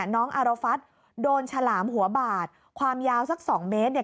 น้องอารฟัฐโดนฉลามหัวบาดความยาวสักสองเมตรเนี่ย